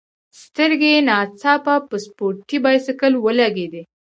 سترګي یې نا ځاپه په سپورټي بایسکل ولګېدې.